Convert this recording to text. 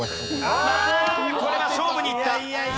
これは勝負にいった。